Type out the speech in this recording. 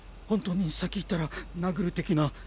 本当に先行ったら殴る的な。